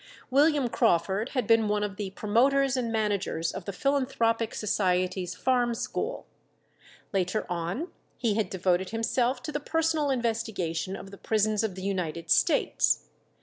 William Crawford had been one of the promoters and managers of the Philanthropic Society's farm school. Later on he had devoted himself to the personal investigation of the prisons of the United States.